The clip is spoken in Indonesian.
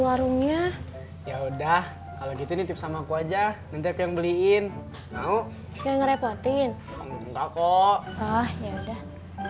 warungnya ya udah kalau gitu nih sama aku aja nanti aku yang beliin mau ngerepotin kok ya udah